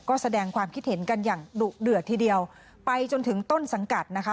ก็แสดงความคิดเห็นกันอย่างดุเดือดทีเดียวไปจนถึงต้นสังกัดนะคะ